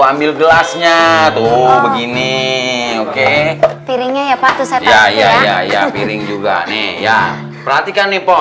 ambil gelasnya tuh begini oke dirinya ya pak tuh saya tanya ya piring juga nih ya perhatikan nipo